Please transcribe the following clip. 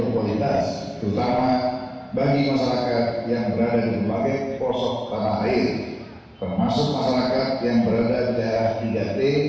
pemasuk masyarakat yang berada di daerah tiga d depan keluar dan seluruh dunia